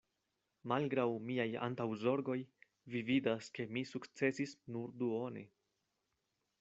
Malgraŭ miaj antaŭzorgoj, vi vidas, ke mi sukcesis nur duone.